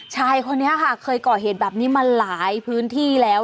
ชายคนนี้ค่ะเคยก่อเหตุแบบนี้มาหลายพื้นที่แล้ว